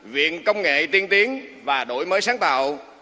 viện công nghệ tiên tiến và đổi mới sáng tạo